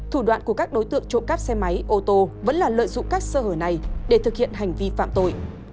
thủ đoạn của các đối tượng trộm cắp xe máy ô tô vẫn là lợi dụng các sơ hở này để thực hiện hành vi phạm tội